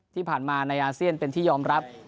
ที่ผ่านมาในอาเซียนเป็นที่ยอมรับ